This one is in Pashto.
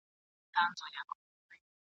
ستا بچي به هم رنګین وي هم ښاغلي !.